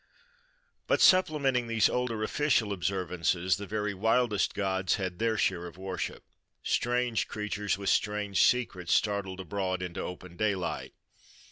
But supplementing these older official observances, the very wildest gods had their share of worship,—strange creatures with strange secrets startled abroad into open daylight.